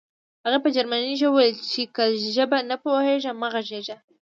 هغې په جرمني ژبه وویل چې که ژبه نه پوهېږې مه غږېږه